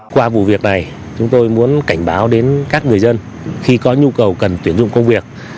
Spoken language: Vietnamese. qua vụ việc này chúng tôi muốn cảnh báo đến các người dân khi có nhu cầu cần tuyển dụng công việc